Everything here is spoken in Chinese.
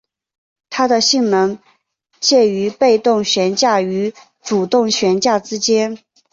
它的性能介于被动悬架与主动悬架之间。